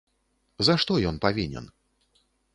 За што ён павінен?